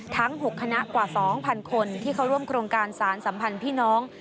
ทั้ง๖คณะกว่า๒๐๐คนที่เข้าร่วมโครงการสารสัมพันธ์พี่น้อง